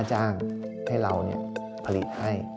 ให้เราผลิตให้